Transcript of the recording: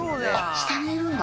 下にいるんだ。